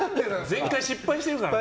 前回失敗してるからね。